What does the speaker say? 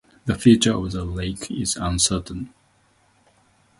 The future of the lake is uncertain.